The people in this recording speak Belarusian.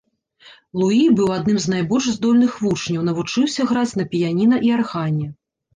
Луі быў адным з найбольш здольных вучняў, навучыўся граць на піяніна і аргане.